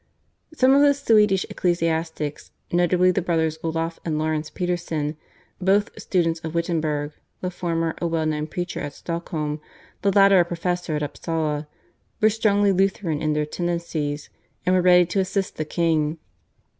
Some of the Swedish ecclesiastics, notably the brothers Olaf and Laurence Peterson, both students of Wittenberg, the former a well known preacher at Stockholm, the latter a professor at Upsala, were strongly Lutheran in their tendencies, and were ready to assist the king.